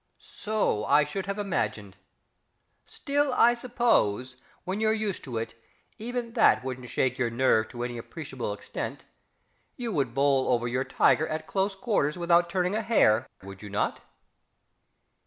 So I should have imagined. Still, I suppose, when you're used to it, even that wouldn't shake your nerve to any appreciable extent. You would bowl over your tiger at close quarters without turning a hair, would you not?...